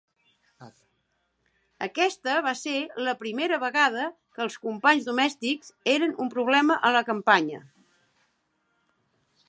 Aquesta va ser la primera vegada que els companys domèstics eren un problema a la campanya.